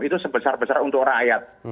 itu sebesar besar untuk rakyat